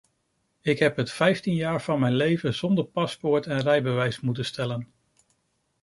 Ik heb het vijftien jaar van mijn leven zonder paspoort en rijbewijs moeten stellen.